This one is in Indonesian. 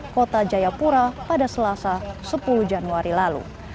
kota jayapura pada selasa sepuluh januari lalu